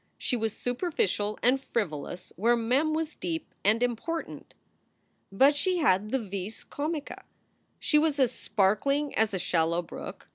She was superficial and frivolous where Mem was deep and important. But she had the vis comica. She was as sparkling as a shallow brook.